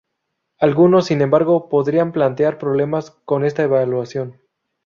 Algunos, sin embargo, podrían plantear problemas con esta evaluación.